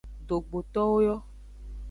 Dogbotowo yo.